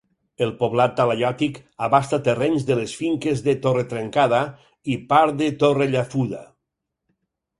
El poblat talaiòtic abasta terrenys de les finques de Torretrencada i part de Torrellafuda.